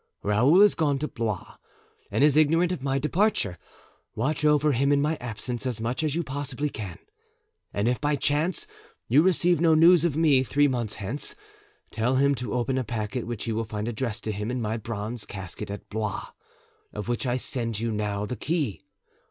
"Raoul is gone to Blois and is ignorant of my departure; watch over him in my absence as much as you possibly can; and if by chance you receive no news of me three months hence, tell him to open a packet which he will find addressed to him in my bronze casket at Blois, of which I send you now the key.